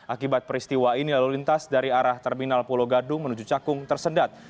akibat peristiwa ini lalu lintas dari arah terminal pulau gadung menuju cakung tersendat